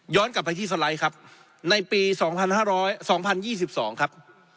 กลับไปที่สไลด์ครับในปี๒๕๒๐๒๒ครับ